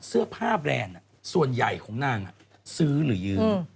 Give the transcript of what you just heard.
เสื้อผ้าแบรนด์ส่วนใหญ่ของนางซื้อหรือยื้อ